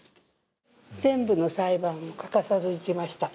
全部の裁判を欠かさず行きました。